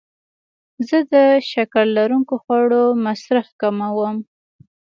زه د شکر لرونکو خوړو مصرف کموم.